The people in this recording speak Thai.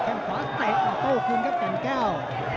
แก่งขวาเตะมาโต้คืนครับแก่งแก้ว